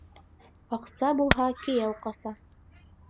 Аҡса булһа, кейәү ҡаса!